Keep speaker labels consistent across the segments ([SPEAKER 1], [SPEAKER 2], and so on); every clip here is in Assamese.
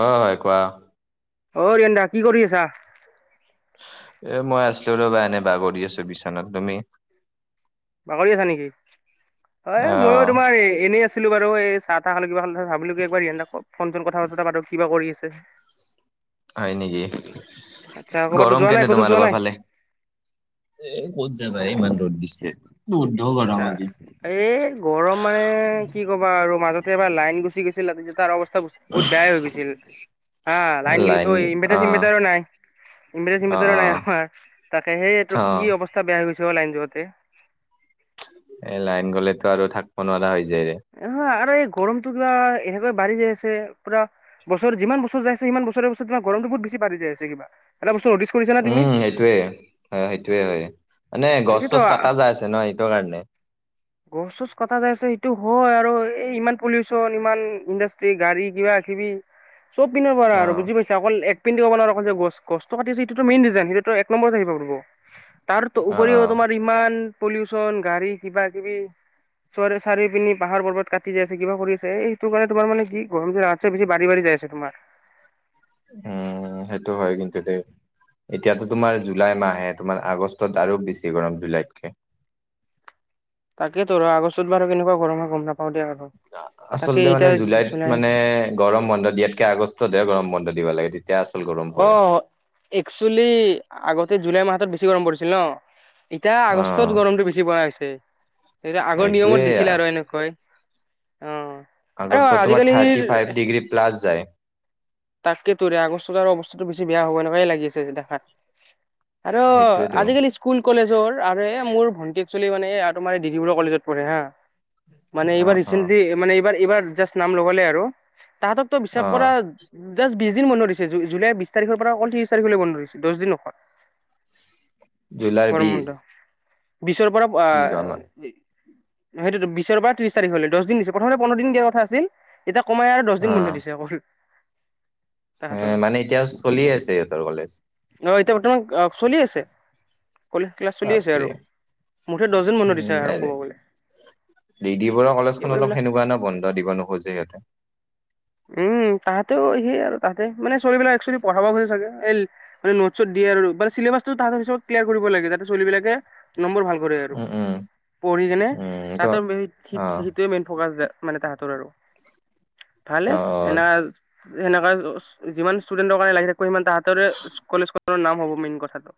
[SPEAKER 1] অ হয় কোৱা
[SPEAKER 2] অ ৰিয়ানদা কি কৰি আছা?
[SPEAKER 1] এ মই আছিলো ৰ'বা এনে বাগৰি আছো বিচনাত তুমি
[SPEAKER 2] বাগৰি আছা নেকি? অ মইও তোমাৰ এনেই আছো, ছিলো বাৰু এই চাহ তাহ খাল কিব ভাবিলো কিবাৰ সহক ফোন চোন কথা পাতো বাৰু কিবা কৰি আছে। [inaudible]
[SPEAKER 1] হয় নেকি
[SPEAKER 2] আচ্ছা ক'ৰবাতো
[SPEAKER 1] গৰম
[SPEAKER 2] যোৱা নাই
[SPEAKER 1] কেনে
[SPEAKER 2] ক'তো যোৱা
[SPEAKER 1] তোমালোকৰ
[SPEAKER 2] নাই
[SPEAKER 1] ফালে এ ক'ত যাবাই ইমান ৰ'দ দিছে বৈধ্য গৰম
[SPEAKER 2] আচ্ছা
[SPEAKER 1] আজি
[SPEAKER 2] এই গৰম মানে কি কবা আৰু মাজত এবাৰ লাইন গুচি গৈছিল ৰাতি [unintelligible] বহুত বেয়াই হৈ গৈছিল হা লাইন গিলে ত ইনভাৰটাৰ চিনভাৰটাৰ নাই ইনভাৰ্টাৰ
[SPEAKER 1] অ
[SPEAKER 2] চিনভাটাৰ
[SPEAKER 1] অ
[SPEAKER 2] নাই আমাৰ তাকে সেইটো
[SPEAKER 1] অ
[SPEAKER 2] কি অৱস্থা বেয়া হৈছে। য লাইন যতে
[SPEAKER 1] এ লাইন গ'লেতো আৰু থাকিব নোৱাৰা হৈ য
[SPEAKER 2] হ আৰু এই গৰমটো কিবা এনেকে বাঢ়ি যাইছে পুৰা বছৰ যিমান বছৰ যাইছে সিমান বছৰে বছৰে গৰমটো বহুত পাৰি য আছে কিবানে,
[SPEAKER 1] উম সেইটোৱে হয় সেইটোয়ে হয় মানে গছ
[SPEAKER 2] এইটোতো
[SPEAKER 1] চছ কটা যায় আছে ন এইটোৰ কাৰণে
[SPEAKER 2] গছ চছ কটা যাইছে সেইটো হয় আৰু এই ইমান পলিউচন ইমান ইণ্ডাষ্ট্ৰি গাড়ী কিবা কিবি, চব পিনৰ পৰা
[SPEAKER 1] অ
[SPEAKER 2] আৰু বুজি পাইছা অকল এক পিন্ধিব নোৱাৰো অ যে গছ গছটো কাটিছে সেতোটো মেইন দিজাইন সেটোতো এক নম্বৰত আহিব লাগ ত
[SPEAKER 1] অ অ
[SPEAKER 2] উপৰিও তোমাৰ ইমান পলিউচন গাড়ী কিবা কিবি চ [unintelligible] চাৰি পিনি পাহাৰ পৰ্বত কাটি আছে কা কৰি আছে এইটো কাৰণে তোমাৰ মান কি গৰম বেছি বাঢি বাঢ়ি [unintelligible] এ আছো তোমাৰ,
[SPEAKER 1] উম সেইটো হয় কিন্তু দেই এতিয়াতো তোমাৰ জুলাই মাহে বৰ্তমান আগষ্টত আৰু বেছি গৰম জুলাইতকৈ
[SPEAKER 2] তাকে তো আগষ্টত বাৰু কেনেকুৱা গৰম গম নাপাম
[SPEAKER 1] আচলতে মানে জুলাইত
[SPEAKER 2] জুলাই
[SPEAKER 1] মানে গৰম বন্ধত ইয়াতকে আগষ্টত গৰম বন্ধ দিব লাগে। তেতিয়া আচল গৰম
[SPEAKER 2] অ
[SPEAKER 1] পৰে
[SPEAKER 2] একচুৱেলি আগতে জুলাই মাহত বেছি গৰম পৰিছিল ন এতিয়া
[SPEAKER 1] অ
[SPEAKER 2] আগষ্টত গৰমটো বেছি পৰা হৈছে এয়া আগৰ নিয়মত
[SPEAKER 1] সেইটোয়ে
[SPEAKER 2] দিছিলে আৰু এনেকৈ অ আৰু
[SPEAKER 1] আগষ্টত তোমাৰ
[SPEAKER 2] আজিকালিৰ
[SPEAKER 1] থাৰ্টি ফাইভ ডিগ্ৰী প্লাছ যায়
[SPEAKER 2] তাকে তোৰে আগষ্ট আগৰ অৱস্থা বেয়া হ'ব নিচিনাই লাগি আছে আৰু
[SPEAKER 1] সেইটোয়েতো
[SPEAKER 2] আজি কালি স্কুল কলেজৰ আৰু মোৰ ভন্টি একচোৱেলি মানে তোমাৰ ডিজিবৰুৱা কলেজত পঢ়ে হা মানে
[SPEAKER 1] অ
[SPEAKER 2] এইবাৰ
[SPEAKER 1] অ
[SPEAKER 2] ৰিচেণ্টলি মানে এইবাৰ এইবাৰ জাষ্ট নাম লগালে আৰু তাহাঁতকতো বিশ্বাস
[SPEAKER 1] অ
[SPEAKER 2] কৰা জাষ্ট বিশ দিন মনছে জুলাইৰ বিশ তাৰিখৰ পৰা ত্ৰিছ তাৰিখলৈ বন্ধদিছে দহ দিন অকল
[SPEAKER 1] জুলাই বিশ
[SPEAKER 2] বিশছৰ পৰা
[SPEAKER 1] কি কাম
[SPEAKER 2] সেইটো বিশৰ পৰা ত্ৰিশ তাৰিখ হলে দহ দিন দিছে প্ৰথমতে পোন্ধৰ দিন দিয়া কথা আছিল এতিয়া কমাই আৰু দহ দিন
[SPEAKER 1] অ
[SPEAKER 2] বন্ধ দিছে অকল
[SPEAKER 1] এ
[SPEAKER 2] তাহাঁতৰ
[SPEAKER 1] মানে এতিয়া চলি আছে সিহঁতৰ কলেজ
[SPEAKER 2] অ এতিয়া বৰ্তমান চলি আছে কলেজ ক্লাছ চলি আছে
[SPEAKER 1] বাপৰে
[SPEAKER 2] আৰু মুঠতে দহদিন বন্ধ দিছে আৰু কবগলে
[SPEAKER 1] ডিডি বৰুৱা কলেজখন অলপ সেনেকুৱা ন বন্ধ দিব নোখোজে সিহঁতে
[SPEAKER 2] উম তাহাতেও সেই আৰু তাহতে মানে ছোৱালীবিলাক একচোৱেলি পঢ়াব চাগে নোট দি বেয়া আৰু চেলেবাচটো কিলিয়াৰ কৰিব লাগে ছোৱালী বিলাকে নম্বৰ ভাল কৰে আৰু
[SPEAKER 1] উম উম
[SPEAKER 2] পঢ়ি কেনে
[SPEAKER 1] উম ত অ
[SPEAKER 2] তাতো সেইটোৱে মেইন ফকাচ যাৰ মানে তাহতৰ আৰু ভালে
[SPEAKER 1] অ অ
[SPEAKER 2] এ সেনেকাে যিমান ষ্টুডেন্টৰ কাৰণে লাগি থাকো সিমান তাহতেৰে কলেজ খনৰ নাম হব মেইন কথাটো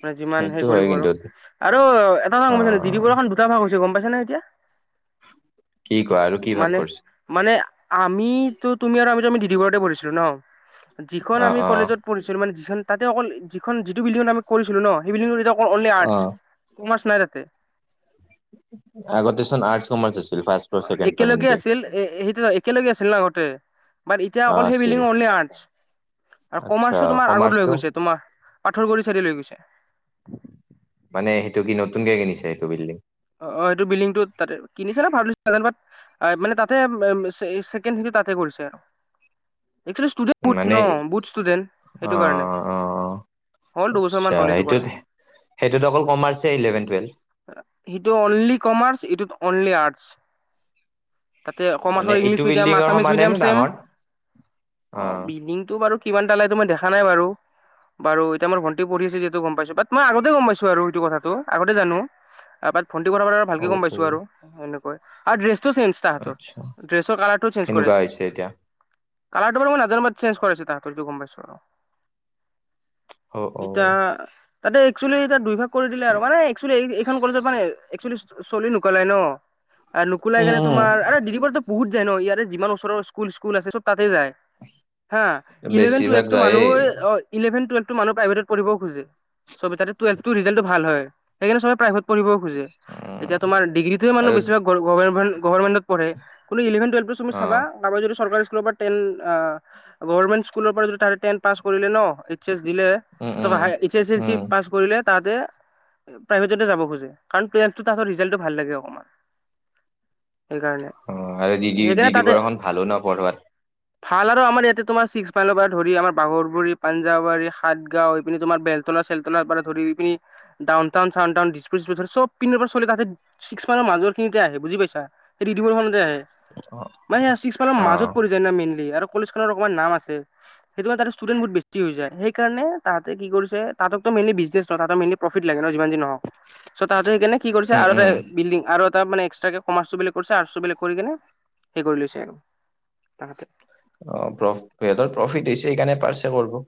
[SPEAKER 2] মানে যিমান
[SPEAKER 1] সেইটো
[SPEAKER 2] সেইৰি
[SPEAKER 1] হয়
[SPEAKER 2] কৰিব
[SPEAKER 1] কিন্তু
[SPEAKER 2] আৰু এটা কথা
[SPEAKER 1] অ
[SPEAKER 2] গম পাইছা নে দিদি বৰুৱা খন দুটা ভাগ হৈছে গম পাইছা নে এতিয়া
[SPEAKER 1] কি কোৱা আৰু কি ভাগ
[SPEAKER 2] মানে
[SPEAKER 1] কৰিছে
[SPEAKER 2] মানে আমিতো, তুমি আৰু আমিতো আমি দিদি ঘৰতে পঢ়িছিলো ন? যিখন
[SPEAKER 1] অ
[SPEAKER 2] আমি
[SPEAKER 1] অ
[SPEAKER 2] কলেজত পঢ়িছিলো মানে। যিখন তাতে অকল যিখন যিটো বিল্ডিংত আমি পৰিছিলো ন ডিজি ত অনলি
[SPEAKER 1] অ
[SPEAKER 2] আৰ্টছ কমাৰ্চ নাই তাতে
[SPEAKER 1] আগতে চোন আৰ্টছ কমাৰ্চ আছে
[SPEAKER 2] একেলগে আছিল এ সেইটো একেলগে আছিল ন আগতে বাট এতিয়া
[SPEAKER 1] অ
[SPEAKER 2] অকল সেই
[SPEAKER 1] আছিল
[SPEAKER 2] বিল্ডিংলি আৰ্টচ আৰু
[SPEAKER 1] আচ্ছা
[SPEAKER 2] কমাৰ্চো তোমাৰ আগত লৈ
[SPEAKER 1] কমাৰ্চটো
[SPEAKER 2] গৈছে তোমাৰ পাথৰ গুৰি চায়দে লৈ গৈছে
[SPEAKER 1] মানে সেইটো কি নতুনকে কিনিছে সেইটো বিল্ডিং
[SPEAKER 2] অ অ সেইটো বিল্ডিংটো তাতে কিনিছে নে ভাড়াত লৈছে নাজানো বাত তাতে ছেকেণ্ড হেৰিত তাতে কৰিছে আৰু এস্কলি ষ্টুডেণ্ট বহুত ন
[SPEAKER 1] মানে
[SPEAKER 2] বহুত ষ্টুডেণ্ট
[SPEAKER 1] অ
[SPEAKER 2] সেইটো কাৰণে
[SPEAKER 1] অ
[SPEAKER 2] হল দুবছৰ মান
[SPEAKER 1] আচ্ছা
[SPEAKER 2] হ'ল এইটো কৰা
[SPEAKER 1] সেইটোত সেইটোত অকল কমাৰ্চ ইলেভেন টুৱেলভ
[SPEAKER 2] ইটো অনলি কমাৰ্চ ইটো ই অনলি আৰ্টচ তাতে
[SPEAKER 1] মানে
[SPEAKER 2] কমাৰ্চৰ ইংলিছ
[SPEAKER 1] এইটো
[SPEAKER 2] মিডিয়াম
[SPEAKER 1] বিল্ডিঙৰ
[SPEAKER 2] আছামিছ
[SPEAKER 1] সমানে
[SPEAKER 2] মিডিয়াম
[SPEAKER 1] নে
[SPEAKER 2] ছেম
[SPEAKER 1] ডাঙৰ
[SPEAKER 2] অ বিগিংটো বাৰু কিমান তালে তোমাৰ দেখা নাই বাৰু বাৰু এতিয়া মোৰ ভণ্টি পঢ়ি আছে যিহেতু গম পাইছো বাট মই আগতে গম পাইছো আৰু সেইটো কথাটো আগতে জানো বাট ভণ্টি কথা
[SPEAKER 1] অ
[SPEAKER 2] ভালকে গম
[SPEAKER 1] অ
[SPEAKER 2] পাইছো আৰু এনেকৈ আৰু ড্ৰেছটো চেঞ্জ তাহাঁতৰ
[SPEAKER 1] আচ্ছা
[SPEAKER 2] ড্ৰেছৰ কালাৰটোও চেঞ্জ
[SPEAKER 1] কেনেকুৱা
[SPEAKER 2] কৰিছে
[SPEAKER 1] [unintelligible]
[SPEAKER 2] কালাৰটো বাৰু মই নাজানো চেঞ্জ কৰাইছে তাহাঁতৰ হেতো গম পাইছো আৰু
[SPEAKER 1] অ অ
[SPEAKER 2] এতিয়া তাতে একচুৱেলি এয়া দুই ভাগ কৰি দিলে আৰু মানে একচুৱেলি এইখন একচলি নুকোলাই ন আৰু নুকলাই
[SPEAKER 1] উম
[SPEAKER 2] কেনে তোমাৰ
[SPEAKER 1] উম
[SPEAKER 2] দিদিবৰটো বহুত য ন ইয়াৰে যিমান ওচৰৰ স্কুল স্কুল আছে চব তাতেই যায়। হা ইলেভেন,
[SPEAKER 1] বেছিভাগ
[SPEAKER 2] টুৱেভটো
[SPEAKER 1] যায়েই
[SPEAKER 2] মানুহে অ ইলেভেন, টুৱেলটো মানুহে প্ৰাইভেটত পঢ়িবও খুজে। চবে তাতে টুৱেভটো ৰিজালটো ভাল হয়। সেইকাৰণে চবে প্ৰাইভেট পঢ়িব খোজে, এতিয়া
[SPEAKER 1] উম
[SPEAKER 2] তোমাৰ ডিগ্ৰীটো মানুহ
[SPEAKER 1] আৰু
[SPEAKER 2] গভ গভৰ্মেণ্টত পঢ়ে। [unintelligible] [inaudible]
[SPEAKER 1] অ
[SPEAKER 2] চাবা কাবাই যদি চৰকাৰী স্কুল [unintelligible] তেন গভৰমেন স্কুলৰ পৰা যদি তাৰে টেন পাছ কৰিলে ন দিলে
[SPEAKER 1] উম উম
[SPEAKER 2] এই S L C
[SPEAKER 1] um
[SPEAKER 2] pass কৰিলে তাহাতে প্ৰাইভেটতে যাব খুজ কাৰণ টোৱেলভটো তাহাতৰ ৰিজাল্টটো ভাল লাগে অকমান। সেইকাৰণে,
[SPEAKER 1] অ আৰু দিদি
[SPEAKER 2] সেইকাৰনে
[SPEAKER 1] দিদি
[SPEAKER 2] তাতে
[SPEAKER 1] বৰাখন ভালো ন পঢ়োৱাত
[SPEAKER 2] ভাল আৰু আমাৰ ইয়াতে তোমাৰ ছিক্স মাইলৰ পৰা ধৰি আমাৰ বাগৰবুৰি, পাঞ্জাৱাৰী, সাতগাঁও, এই পি তোমাৰ বেলতল চেলতলা পৰা ধৰি এইপিনি ডাউন টাউন, চাওন টাউন, দিছ চব পিনৰ পৰা ছোৱালী তাহাঁতে ছিক্স মাইলৰ মাজৰ খিনিতে আহে বুজি পাইছা? [unintelligible] মানে চিক্স মাইলৰ
[SPEAKER 1] অ
[SPEAKER 2] মাজত পৰি যায় না মেইনলি আৰু কলেজ খনত অকমান নাম আছে। সেইটো কাৰণে তাতে ষ্টুডেন্ট বহুত বেছি হৈ যায়। সেইকাৰণে তাহাতে কি কৰিছে? তাহক মেইনলি বিজনেছ ন ত মেইনলি প্ৰফিট লাগে ন যিমান যি নহক। ছ তাহাতে সেইকাৰনে কি কৰিছে
[SPEAKER 1] উম
[SPEAKER 2] আৰু এটা
[SPEAKER 1] উম
[SPEAKER 2] বিল্ডিং আৰু এটা মানে কমাৰ্চো বেলেগ কৰিছে, আৰ্টচ বেলেগ কৰি কিনে সেই কৰি লৈছে আৰু। [unintelligible]
[SPEAKER 1] অ প্ৰ সিহঁতৰ প্ৰফিট হৈছে সেইকাৰণে পাৰছে কৰব।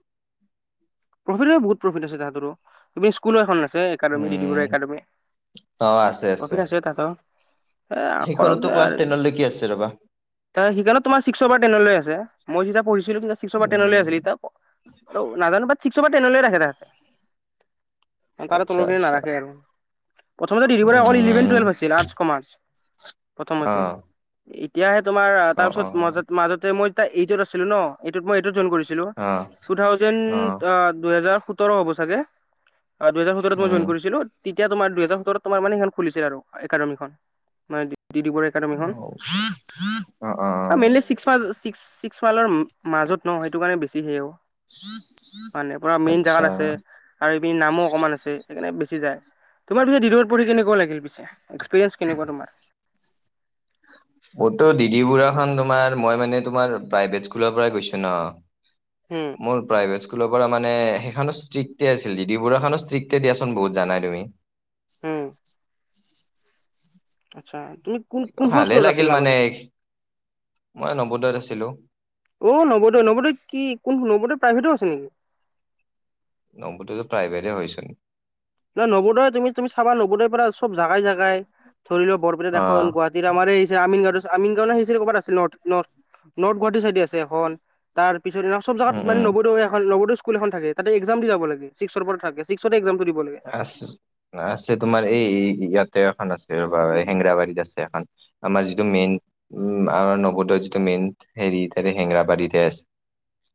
[SPEAKER 2] প্ৰফিট বহুত প্ৰফিট আছে তাহাঁতৰো। তুমি স্কুলো এখন না? Academy D D Bora
[SPEAKER 1] um
[SPEAKER 2] academy.
[SPEAKER 1] অ আছে
[SPEAKER 2] প্ৰফিট আছে তাকো, এ কৰক
[SPEAKER 1] সেইখনতো
[SPEAKER 2] দে
[SPEAKER 1] ক্লাছ
[SPEAKER 2] আৰু কি।
[SPEAKER 1] টেনলৈকে আছে ৰবা
[SPEAKER 2] তাৰ সেইকাৰণে তোমাৰ ছিক্সৰ পৰা টেনলে আছে। মই যেতিয়া পঢ়িছিলো তেতিয়া ছিক্সৰ পৰা টেনলে আছিল
[SPEAKER 1] উম
[SPEAKER 2] এতিয়া আৰু নাজানো বাত চিকচৰ পৰা টেনলে ৰাখে তাহাঁতে। তাৰ
[SPEAKER 1] আচ্ছা
[SPEAKER 2] তলৰখিনি
[SPEAKER 1] আচ্ছা
[SPEAKER 2] নাৰাখে আৰু। প্ৰথমতে ডি দি বৰুৱাত অকল ইলেভেন
[SPEAKER 1] উম
[SPEAKER 2] টুৱেলভ আছিল, আৰ্টছ, কমাৰ্চ,
[SPEAKER 1] অ
[SPEAKER 2] প্ৰথমতে। এতি এতিয়াহে তোমাৰ
[SPEAKER 1] অ
[SPEAKER 2] তাৰপিছত
[SPEAKER 1] অ
[SPEAKER 2] মাজত মাজতে মই এইটত আছিলো ন। মই এইটত জইন কৰিছিলো।
[SPEAKER 1] অ
[SPEAKER 2] টু
[SPEAKER 1] অ
[SPEAKER 2] থাউজেণ্ড দুহেজাৰ সোতৰ হ'ব চাগে। দুহেজাৰ সোতৰত মই জইন
[SPEAKER 1] উম
[SPEAKER 2] কৰিছিলো। তেতিয়া তোমাৰ দুহেজাৰ সোতৰত তোমাৰ মানে সেইখন খুলিছিল আৰু একাডেমিখন মান। [unintelligible] ডি ডি বৰুৱা একাডেমীখন।
[SPEAKER 1] অ
[SPEAKER 2] অ মেইনলি চিক্স মাইল, চিক্স মাইলৰ মাজত ন সেইটো কাৰণে বেছি সেঅ।
[SPEAKER 1] [inaudible]
[SPEAKER 2] মানে পুৰা মেইন
[SPEAKER 1] আচ্ছা
[SPEAKER 2] জাগাত আছে আৰু এইপিনি নামো অকণমান আছে সেইকাৰণে বেছি যায়। তোমাৰ পিছে [unintelligible] পঢ়ি কেনেকুৱা লাগিল পিছে? এক্সপিৰিয়েঞ্চ কেনেকুৱা তোমাৰ?
[SPEAKER 1] মোৰতো ডিডি বুঢ়াখন মই মানে তোমাৰ প্ৰাইভেট স্কুলৰ পৰা গৈছোঁ ন।
[SPEAKER 2] উম
[SPEAKER 1] মোৰ প্ৰাইভেট স্কুল স্কুলৰ পৰা মানে সেইখনো ষ্ট্ৰিক্টতে আছিল। ডি দি বৰুৱা খনো ষ্ট্ৰিক্টে দিয়াচোন বহুত, জানাই তুমি।
[SPEAKER 2] উম
[SPEAKER 1] [unintelligible]
[SPEAKER 2] আচ্ছা, তুমি কোন কোনখন
[SPEAKER 1] ভালে
[SPEAKER 2] স্কুলত
[SPEAKER 1] লাগিল
[SPEAKER 2] আছিলা
[SPEAKER 1] মানে
[SPEAKER 2] আগতে?
[SPEAKER 1] মই নৱোদয়ত আছিলো
[SPEAKER 2] অ নবোদয়, নবোদয় কি কোন নবোদয় প্ৰাইভেটো আছে নেকি?
[SPEAKER 1] নবোদয় প্ৰাইভেটে হয় চোন।
[SPEAKER 2] নহ নবোদয় তুমি তুমি চাবা নবোদয়ৰ পৰা চব জাগাই জাগাই ধৰি লও বৰপেটাত
[SPEAKER 1] অ
[SPEAKER 2] এখন, গুৱাহাটীৰ আমাৰ এই যে আমিন গাঁৱত আমিন গাঁও হেই যে কবাত আছে নৰ্থ-নৰ্থ-নৰ্থ গুৱাহাটীৰ চাইডে আছে এখন। তাৰ [unintelligible] চব জেগাত
[SPEAKER 1] উম,
[SPEAKER 2] মানে
[SPEAKER 1] উম,
[SPEAKER 2] নবোদয় এখন নবোদয় [unintelligible] স্কুল এখন থাকে। তাতে একজাম দি যাবা লাগে। ছিক্সৰ পৰা থাকে ছিক্সতে একজামটো দিব লাগে।
[SPEAKER 1] আছে, আছে। তোমাৰ এই ইয়াতে এখন আছে ৰবা হেংৰাবাৰীত আছে এখন। আমাৰ যিটো মেইন উ আমাৰ নৱদৰ যিটো মেইন হেৰি তাতে হেংৰাবাৰীতে আছে।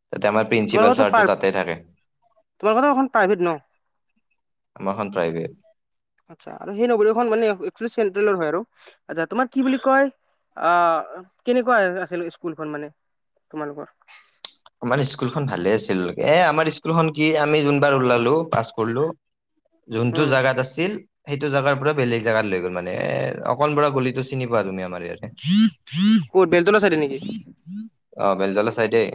[SPEAKER 1] তাতে আমাৰ
[SPEAKER 2] তোমাৰ
[SPEAKER 1] প্ৰিন্সিপাল
[SPEAKER 2] কথা
[SPEAKER 1] ছাৰটো
[SPEAKER 2] প্ৰ
[SPEAKER 1] তাতে থাকে
[SPEAKER 2] তোমাৰ টো এখন প্ৰাইভেট ন
[SPEAKER 1] আমাৰখন প্ৰাইভেট
[SPEAKER 2] আচছা আৰু সেই নগৰীখন মানে এটলিচট‌ চেন্ট্ৰেলৰ হয় আৰু আচ্ছা তোমাৰ কি বুলি কয়, আহ কেনেকুৱা আছিল স্কুলখন মানে তোমালোকৰ?
[SPEAKER 1] আমাৰ স্কুলখন ভালে আছিল এ আমাৰ স্কুলখন কি আমি যোনবাৰ ওলালো পাছ কৰিলো, যোনটো
[SPEAKER 2] উম
[SPEAKER 1] জাগাত আছিল সেইটো জাগাৰ পৰা বেলেগ জাগাত লৈ গ'ল মানে, অকণ বৰা গলিটো চিনি পোৱা তুমি আমাৰ
[SPEAKER 2] ক'ত বেলতলা চাইডে নেকি
[SPEAKER 1] ইয়াতে, অ বেলডালা চাইডেই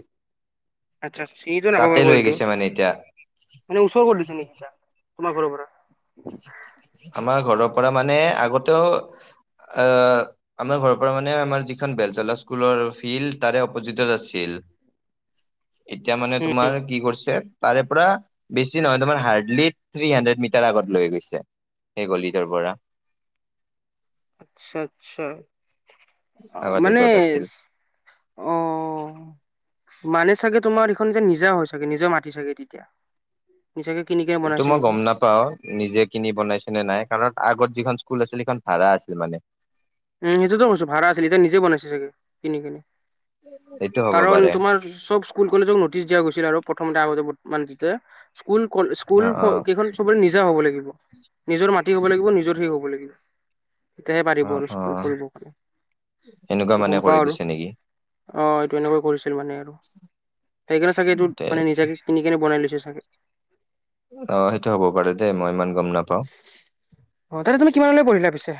[SPEAKER 2] আচ্ছা চিনিটো নাপাবাৰ গলিটো
[SPEAKER 1] গৈছে মানে এতিয়া
[SPEAKER 2] মানে ওচৰ কৰি দিছে নেকি এ ত তোমাৰ ঘৰৰ পৰা
[SPEAKER 1] আমাৰ ঘৰৰ পৰা মানে আগতেও আহ আমাৰ ঘৰৰ পৰা মানে আমাৰ যিখন বেলতলা স্কুলৰ ফিল্ড তাৰে অপজিতত আছিল।
[SPEAKER 2] [inaudible]
[SPEAKER 1] এতিয়া মানে তোমাৰ কি কৰিছে, তাৰে পৰা বেছি নহয় তোমাৰ হাৰ্ডলি থ্ৰী হাড্ৰেড মিটাৰ আগত লৈ গৈছে। সেই গলিটোৰ পৰা
[SPEAKER 2] আচ্ছা আচ্ছা। আহ
[SPEAKER 1] আগতে
[SPEAKER 2] মানে
[SPEAKER 1] য'ত আছিল।
[SPEAKER 2] আহ মানে চাগে তোমাৰ এইখন যে নিজা হয় চাগে নিজৰ মাতি চাগে তেতিয়া নিচাকে কিনি কিনে
[SPEAKER 1] এইটো
[SPEAKER 2] বনাইছে
[SPEAKER 1] মই
[SPEAKER 2] নেকি
[SPEAKER 1] গম নাপাও নিজে কিনি বনাইছো নে নাই কাৰণ আগত যিখন স্কুল আছিল সেইখন ভাড়া আছিল মানে,
[SPEAKER 2] উম সেইটোতো কৈছো ভাড়া আছিল এতিয়া নিজে বনাইছে চাগে কিনি কিনে।
[SPEAKER 1] সেইটো হ'ব
[SPEAKER 2] কাৰণ
[SPEAKER 1] পাৰে
[SPEAKER 2] তোমাৰ চব স্কুল কলেজক নটিচ দিয়া গৈছিল আৰু প্ৰথমতে আগতে বৰ্তমান স্কুল, স্কুল
[SPEAKER 1] অ অ
[SPEAKER 2] কিখন সবৰে নিজা হব‌ লাগিব। নিজৰ মাটি হব লাগিব নিজৰ সেই হব লাগিব তেতিয়াহে পাৰিব
[SPEAKER 1] অ
[SPEAKER 2] আৰু
[SPEAKER 1] অ
[SPEAKER 2] প্ৰয়োগ কৰিব কাৰণে
[SPEAKER 1] এনেকুৱা
[SPEAKER 2] সেটো
[SPEAKER 1] মানে
[SPEAKER 2] গম
[SPEAKER 1] কৰি
[SPEAKER 2] পাও আৰু
[SPEAKER 1] দিছে নেকি?
[SPEAKER 2] অ এইটো এনেকৈ কৰিছিল মানে আৰু সেইকাৰণে চাগে এইটো
[SPEAKER 1] তে
[SPEAKER 2] মানে নিজাকে কিনি কেনে বনাই লৈছে চাগে।
[SPEAKER 1] অ সেইটো হ'ব পাৰে দেই মই ইমান গম নাপাওঁ
[SPEAKER 2] অ তাতে তুমি কিমানলৈ পঢ়িলা পিছে?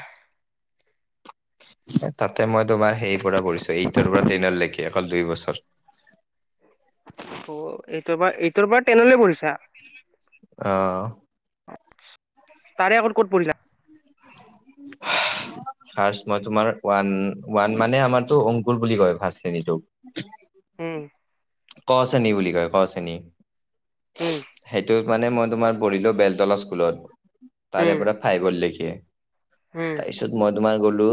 [SPEAKER 1] তাতে মই তোমাৰ সেই পৰা পঢ়িছো এইটৰ পৰা টেনলৈকি অকল দুই বছৰ।
[SPEAKER 2] অ'এইটৰ পৰা এইটৰ পৰা টেনলৈ পৰিছা।
[SPEAKER 1] অহ
[SPEAKER 2] তাৰে আগত ক'ত পঢ়িছিলা? [unintelligible]
[SPEAKER 1] ফাৰ্ষ মই তোমাৰ ওৱান ওৱান মানে আমাৰতো অংকুৰ বুলি কয় ফাৰ্ষ্ট শ্ৰেণীটোক
[SPEAKER 2] উম।
[SPEAKER 1] ক শ্ৰেণী বুলি কয় ক শ্ৰেণী,
[SPEAKER 2] উম,
[SPEAKER 1] সেইটো মানে মই তোমাৰ পঢ়িলো বেলতলা স্কুলত
[SPEAKER 2] উম,
[SPEAKER 1] তাৰে পৰা ফাইপৰ লৈকে।
[SPEAKER 2] উম,
[SPEAKER 1] তাৰপিছত মই তোমাৰ গলো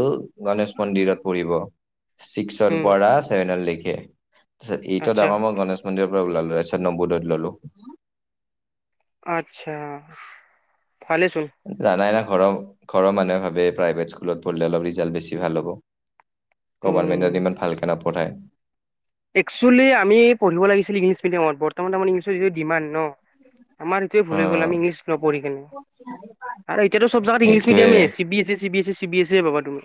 [SPEAKER 1] গণেশ মন্দিৰত পঢ়িব। ছিক্সৰ
[SPEAKER 2] উম,
[SPEAKER 1] পৰা চছেভেন লৈকে তাৰপিছত এইটত
[SPEAKER 2] আচ্ছা,
[SPEAKER 1] আকৌ মই গণেশ মন্দিৰ পৰা ওলালো আচ্ছা নবোদয়ত ললো।
[SPEAKER 2] আচ্ছা ভালেচোন।
[SPEAKER 1] জানাই না ঘৰৰ ঘৰৰ মানুহে ভাবে প্ৰাইভেট স্কুলত পঢ়িলে অলপ ৰিজাল্ট বেছি ভাল হ'ব।
[SPEAKER 2] উম,
[SPEAKER 1] গভৰ্ণমেন্টত ইমান ভালকে নপঢ়ায়
[SPEAKER 2] একচুৱেলি আমি পঢ়িব লাগিছিল ইংলিছ মিডিয়ামত বৰ্তমান আমাৰ ইংলিছৰ যিটো ডিমাণ্ড ন। আমাৰ এইটোৱে ভুল হৈ গ'ল
[SPEAKER 1] অ
[SPEAKER 2] আমি ইংলিছ ন পঢ়ি কেনে আৰু এতিয়াতো চব জাগাতে ইংলিছ
[SPEAKER 1] সেইটোৱে
[SPEAKER 2] মিডিয়ামে C B S E C B S E C B এছে পাবা তুমি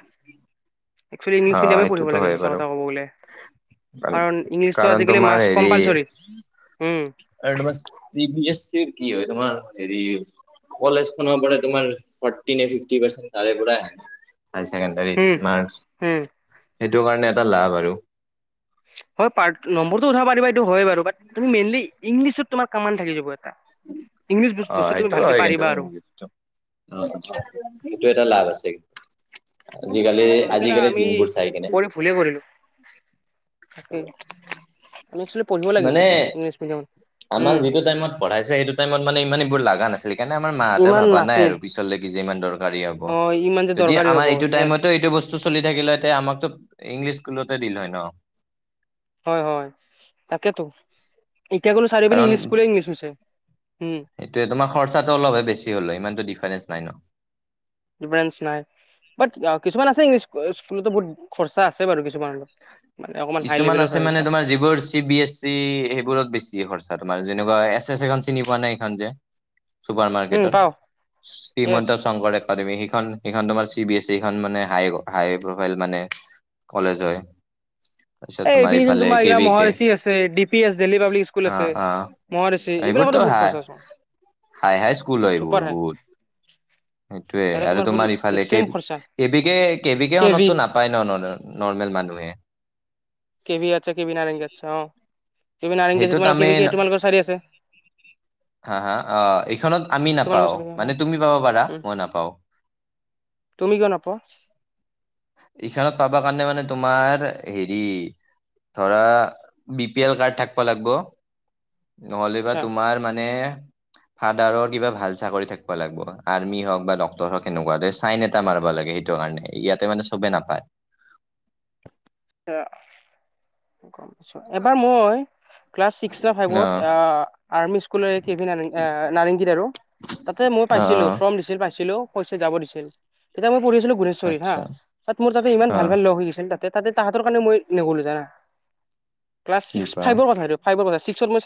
[SPEAKER 2] একচুৱেলি
[SPEAKER 1] অ
[SPEAKER 2] ইংলিছ মিডিয়ামে পঢ়িব
[SPEAKER 1] সেইটোতো
[SPEAKER 2] লাগে
[SPEAKER 1] হয়
[SPEAKER 2] সঁচা
[SPEAKER 1] বাৰু
[SPEAKER 2] কথা ক'ব বোলে। কাৰণ ইংলিছটো
[SPEAKER 1] কাৰণ
[SPEAKER 2] আজিকালি
[SPEAKER 1] তোমাৰ
[SPEAKER 2] মাষ্ট
[SPEAKER 1] হেৰি
[SPEAKER 2] কম্পালচৰি উম।
[SPEAKER 1] আৰু তোমাৰ চি এছ চি কি হয় তোমাৰ হেৰি। কলেজ খনৰ পৰা তোমাৰ ফৰটি নে ফিপতি পাৰ্চেন্ট তাৰে পৰা না। হায়
[SPEAKER 2] উম,
[SPEAKER 1] ছেকেণ্ডাৰীত মাৰ্ক্সৰ
[SPEAKER 2] উম।
[SPEAKER 1] সেইটো কাৰণে এটা লাভ আৰু।
[SPEAKER 2] হয় পাৰ্ট নম্বৰটো উঠাব পাৰিবা এইটো হয় বাৰু তুমি মেইনলি ইংলিছত তোমাৰ কামান থাকি যাব। কি?
[SPEAKER 1] অ'সেইটো হয় কিন্তু সেইটো এটা লাভ আছে। আজিকালি
[SPEAKER 2] ত সেইকানে
[SPEAKER 1] আজিকালি
[SPEAKER 2] আমি
[SPEAKER 1] দিনবোৰ চাই কিনে
[SPEAKER 2] পঢ়ি ভুল কৰিলো। তাকে আমি একচোৱেলি।
[SPEAKER 1] মানে আমাক যিটো টাইমত পঢ়াইছে সেইটো টাইমত মানে ইমান এইবোৰ লগা নাছিলে। সেইকাৰণে আমাৰ মাহঁতে
[SPEAKER 2] ইমান
[SPEAKER 1] ভবা নাই
[SPEAKER 2] নাছিল
[SPEAKER 1] আৰু পিছলৈকে যে ইমান দৰকাৰী হ'ব।
[SPEAKER 2] অ ইমান যে
[SPEAKER 1] যদি
[SPEAKER 2] দৰকাৰী
[SPEAKER 1] আমাৰ
[SPEAKER 2] হ'ব
[SPEAKER 1] এইটো
[SPEAKER 2] য়েছ
[SPEAKER 1] টাইমত এইটো বস্তু। চলি থাকিলেহেঁতে আমাকতো ইংলিছ স্কুলতে দিল হয় ন্।
[SPEAKER 2] হয় হয়, তাকেতো এতিয়া কোনো চাৰি পিনি
[SPEAKER 1] কাৰণ
[SPEAKER 2] ইংলিছ স্কুললে ইংলিছ হৈছে। উম
[SPEAKER 1] সেইটোয়ে তোমাৰ খৰচাতটো অলহে বেছি হ'ল ইমানতো ডিফাৰেন্ঞ্চ নাই ন।।
[SPEAKER 2] ডিফাৰেন্ঞ্চ নাই বাট কিছুমান আছে ইংলিছ। স্কুলতো বহুত খৰচা আছে বাৰু কিছুমানত।
[SPEAKER 1] কিছুমান আছে মানে তোমাৰ যিবোৰ চি বি এছ চি সেইবোৰত বেছি খৰচা। তোমাৰ যেনেকুৱা এছ এছ এখন চিনি পোৱা নে এইখন যে। চুপাৰ
[SPEAKER 2] উম
[SPEAKER 1] মাৰ্কেটৰ
[SPEAKER 2] পাও য়েছ
[SPEAKER 1] শ্ৰীমন্ত শংকৰদেৱ। একাদেমী সেইখন সেইখন তোমাৰ চি বি এছ চি খন মানে হাই হাই ‌প্ৰফাইলমানে। কলেজ হয়। আচ্ছা
[SPEAKER 2] এই
[SPEAKER 1] তোমাৰ
[SPEAKER 2] এইপিনে চোন
[SPEAKER 1] এফালে কে
[SPEAKER 2] এইগিলা
[SPEAKER 1] বি কে
[SPEAKER 2] মহাৰিষি আছে D P S Delhi public school
[SPEAKER 1] অ
[SPEAKER 2] আছে
[SPEAKER 1] অ।
[SPEAKER 2] মহাৰিচি এইবিলাকতো
[SPEAKER 1] এইবোৰতো
[SPEAKER 2] বহুত
[SPEAKER 1] হাই
[SPEAKER 2] খৰচা চোন
[SPEAKER 1] হাই হাই স্কুল হয়
[SPEAKER 2] চুপাৰ
[SPEAKER 1] এইবোৰ
[SPEAKER 2] হাই
[SPEAKER 1] বহুত। সেইটোয়ে
[SPEAKER 2] তাতে
[SPEAKER 1] আৰু
[SPEAKER 2] বহুত
[SPEAKER 1] তোমাৰ ইফালে
[SPEAKER 2] এক্সট্ৰিম
[SPEAKER 1] কে
[SPEAKER 2] খৰচা
[SPEAKER 1] কে বিকে কে বি কে
[SPEAKER 2] কেভি
[SPEAKER 1] খনতো নাপায় ন ন নৰ্মেল মানুহে।
[SPEAKER 2] কেভি আচ্ছা কে ভি নাৰেংগী আচ্ছা অ কে নাৰেংগী আছে
[SPEAKER 1] সেইটোত
[SPEAKER 2] তোমালোক
[SPEAKER 1] আমি
[SPEAKER 2] কি
[SPEAKER 1] ন-
[SPEAKER 2] তোমালোকৰ চাৰি আছে।।
[SPEAKER 1] হা হা আহ এইখনত আমি
[SPEAKER 2] তোমালোকৰ
[SPEAKER 1] নাপাওঁ
[SPEAKER 2] চাৰি অ
[SPEAKER 1] মানে তুমি পাব পাৰা
[SPEAKER 2] উম
[SPEAKER 1] মই নাপাও।
[SPEAKER 2] তুমি কিয় নোপোৱা
[SPEAKER 1] এইখনত পাবা কাৰণে মানে। তোমাৰ হেৰি ধৰা বি পি এল কাৰ্ড থাক- ব লাগব নহ'লে বা
[SPEAKER 2] আচ্ছা
[SPEAKER 1] তোমাৰ মানে।
[SPEAKER 2] [inaudible]
[SPEAKER 1] ফাদাৰৰ কিবা ভাল চাকৰি থাকিব লাগিব আৰ্মি হওক বা ডক্তটৰ হওক সেনেকুৱা চাইন এটা মাৰব লাগে সেইটো। কাৰণে ইয়াতে মানে চবে নাপায়।
[SPEAKER 2] গম পাইছো এবাৰ মই। ক্লাছ ছিক্স ন
[SPEAKER 1] অ
[SPEAKER 2] ফাইভত আৰ্মি স্কুল কে ভিন নাৰেংগীৰত। তাতে মই
[SPEAKER 1] অ
[SPEAKER 2] পাইছিলো
[SPEAKER 1] অ
[SPEAKER 2] ফ্ৰৰ্ম দিছিল পাইছিলো কৈছে যাব দিছিল। এতি মই পঢ়িছিলো গুণেশ্বৰী হা।
[SPEAKER 1] আচ্ছা
[SPEAKER 2] তাত মোৰ তাতে ইমান
[SPEAKER 1] অ
[SPEAKER 2] ভাল লগ হৈ গছিল তাত। তাহাতৰ কাৰণে মই নগলো জানা। ক্লাছ
[SPEAKER 1] কি
[SPEAKER 2] ছিক্স
[SPEAKER 1] কোৱা
[SPEAKER 2] ফাইভৰ কথা সেইটো ফাইভৰ কথা ছিক্সত মই।